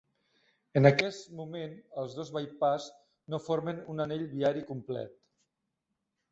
En aquest moment, els dos bypass no formen un anell viari complet.